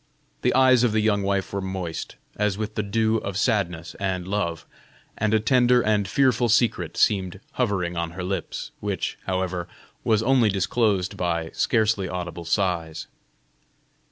The eyes of the young wife were moist, as with the dew of sadness and love, and a tender and fearful secret seemed hovering on her lips, which, however, was only disclosed by scarcely audible sighs.